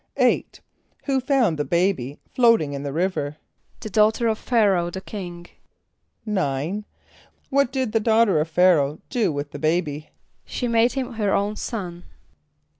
= =8.= Who found the baby floating in the river? =The daughter of Ph[=a]´ra[=o]h the King.= =9.= What did the daughter of Ph[=a]´ra[=o]h do with the baby? =She made him her own son.